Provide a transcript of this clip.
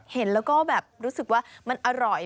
เห็นแล้วก็แบบรู้สึกว่ามันอร่อย